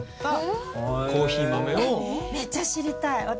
めっちゃ知りたい私。